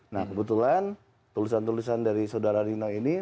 nah kebetulan tulisan tulisan dari nino ika rundeng